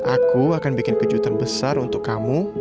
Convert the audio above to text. aku akan bikin kejutan besar untuk kamu